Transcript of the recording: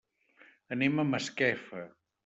Anem a Masquefa.